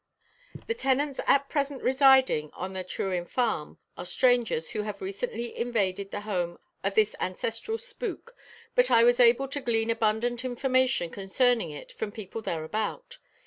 The tenants at present residing on the Trwyn Farm are strangers who have recently invaded the home of this ancestral spook, but I was able to glean abundant information concerning it from people thereabout.